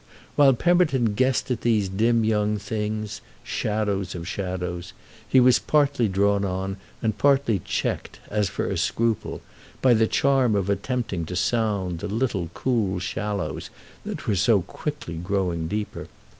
While Pemberton guessed at these dim young things, shadows of shadows, he was partly drawn on and partly checked, as for a scruple, by the charm of attempting to sound the little cool shallows that were so quickly growing deeper.